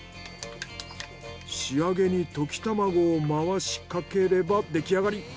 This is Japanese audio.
仕上げに溶き卵を回しかければ出来上がり。